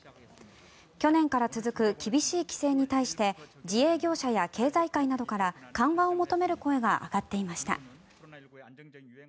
去年から続く厳しい規制に対して自営業者や経済界などから緩和を求める声が上がっていました。